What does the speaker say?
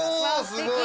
すごい！